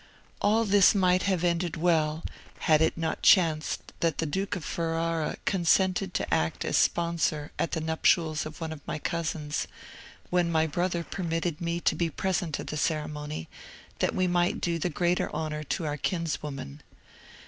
"All this might have ended well, had it not chanced that the Duke of Ferrara consented to act as sponsor at the nuptials of one of my cousins; when my brother permitted me to be present at the ceremony, that we might do the greater honour to our kinswoman.